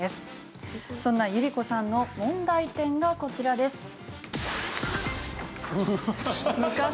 そんな百合子さんの問題点がこちらです。